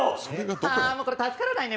あーもうこれ助からないね。